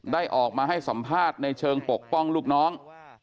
ได้ออกมาให้สัมภาษณ์ในเชิงปกป้องลูกน้อง